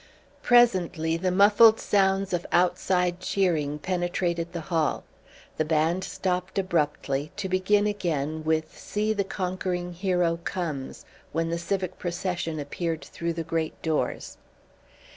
Presently the muffled sounds of outside cheering penetrated the hall. The band stopped abruptly, to begin again with "See the Conquering Hero Comes" when the civic procession appeared through the great doors.